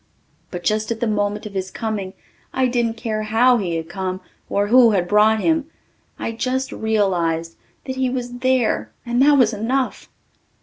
But just at the moment of his coming I didn't care how he had come or who had brought him. I just realized that he was there and that was enough.